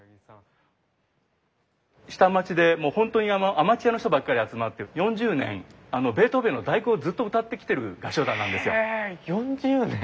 下町でもうホントにアマチュアの人ばっかり集まって４０年ベートーベンの「第九」をずっと歌ってきてる合唱団なんですよ。へ４０年！